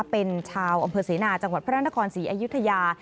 เป็นชาวอำเภอเสนาจังหวัดพระนครศรีอยุธยา